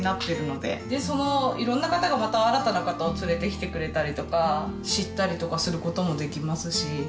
でそのいろんな方がまた新たな方を連れてきてくれたりとか知ったりとかすることもできますし。